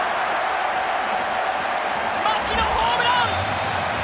牧のホームラン！